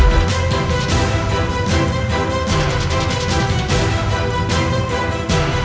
jangan lagi membuat onar di sini